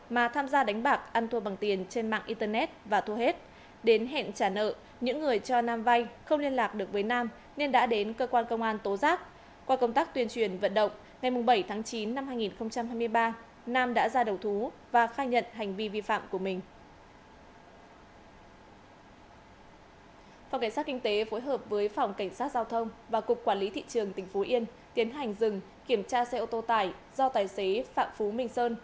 phòng cảnh sát kinh tế phối hợp với phòng cảnh sát giao thông và cục quản lý thị trường tỉnh phú yên tiến hành dừng kiểm tra xe ô tô tải do tài xế phạm phú minh sơn